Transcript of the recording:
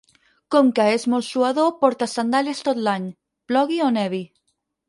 Com que és molt suador porta sandàlies tot l'any, plogui o nevi.